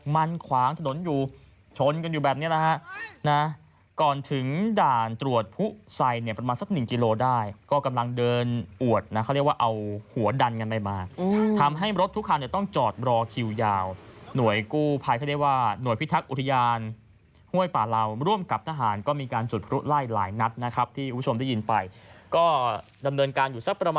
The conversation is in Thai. มันขวางถนนอยู่ชนกันอยู่แบบเนี้ยนะฮะก่อนถึงด่านตรวจผู้ใส่เนี่ยประมาณสักหนึ่งกิโลได้ก็กำลังเดินอวดนะเขาเรียกว่าเอาหัวดันกันไปมาทำให้รถทุกคันเนี่ยต้องจอดรอคิวยาวหน่วยกู้ภัยเขาเรียกว่าหน่วยพิทักษ์อุทยานห้วยป่าเหล่าร่วมกับทหารก็มีการจุดพลุไล่หลายนัดนะครับที่คุณผู้ชมได้ยินไปก็ดำเนินการอยู่สักประ